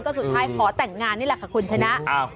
ก็สุดท้ายขอแต่งงานนี่แหละค่ะคุณชนะ